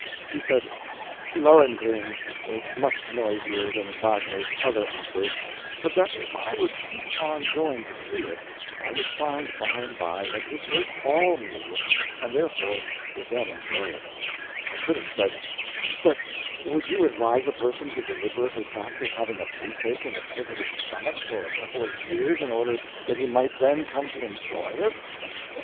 She said "Lohengrin" was noisier than Wagner's other operas, but that if I would keep on going to see it I would find by and by that it was all music, and therefore would then enjoy it. I COULD have said, "But would you advise a person to deliberately practice having a toothache in the pit of his stomach for a couple of years in order that he might then come to enjoy it?"